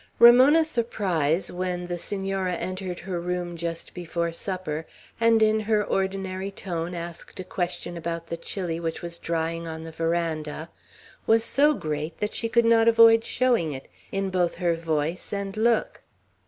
Ramona's surprise, when the Senora entered her room just before supper, and, in her ordinary tone, asked a question about the chili which was drying on the veranda, was so great, that she could not avoid showing it both in her voice and look.